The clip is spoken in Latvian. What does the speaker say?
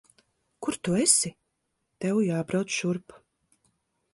Kur tu esi? Tev jābrauc šurp.